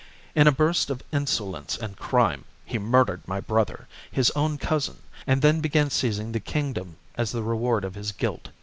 In a burst of insolence and crime he murdered my brother, his own cousin, and then began by seizing the kingdom as the reward of his guilt.